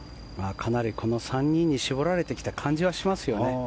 かなりこの３人に絞られてきた感じはしますよね。